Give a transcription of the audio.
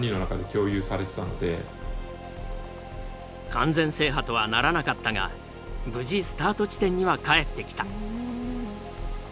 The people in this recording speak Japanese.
完全制覇とはならなかったが無事スタート地点には帰ってきた。